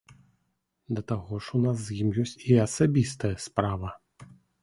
Да таго ж у нас з ім ёсць і асабістая справа.